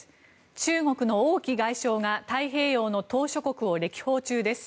中国の王毅外相が太平洋の島しょ国を歴訪中です。